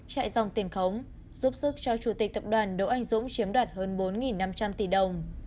chạy dòng tiền khống giúp sức cho chủ tịch tập đoàn đỗ anh dũng chiếm đoạt hơn bốn năm trăm linh tỷ đồng